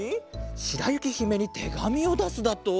しらゆきひめにてがみをだすだと？